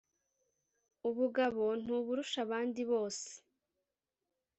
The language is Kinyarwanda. ubugabo ntuburusha abandi bose